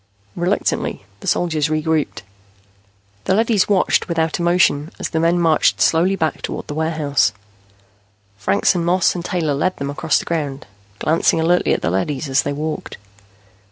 Reluctantly, the soldiers regrouped. The leadys watched without emotion as the men marched slowly back toward the warehouse. Franks and Moss and Taylor led them across the ground, glancing alertly at the leadys as they walked.